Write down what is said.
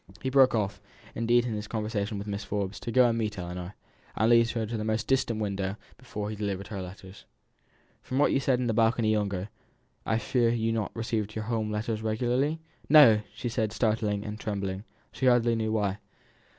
He broke off, indeed, in his conversation with Mrs. Forbes to go and meet Ellinor, and to lead her into the most distant window before he delivered her letters. "From what you said in the balcony yonder, I fear you have not received your home letters regularly?" "No!" replied she, startled and trembling, she hardly knew why.